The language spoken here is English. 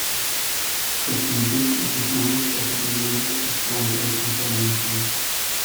The qubit is the smallest possible unit of quantum information.